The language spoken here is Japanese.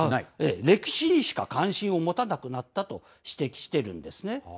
歴史にしか関心を持たなくなったと指摘しているんですね。